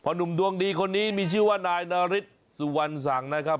หนุ่มดวงดีคนนี้มีชื่อว่านายนาริสสุวรรณสังนะครับ